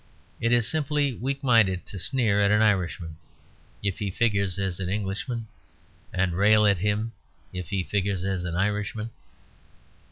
It is simply weak minded to sneer at an Irishman if he figures as an Englishman, and rail at him if he figures as an Irishman.